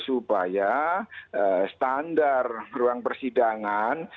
supaya standar ruang persidangan